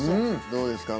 どうですか？